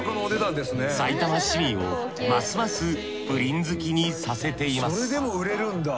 さいたま市民をますますプリン好きにさせています